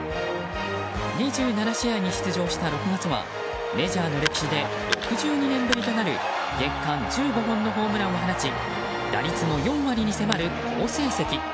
２７試合に出場した６月はメジャーの歴史で６２年ぶりとなる月間１５本のホームランを放ち打率も４割に迫る好成績。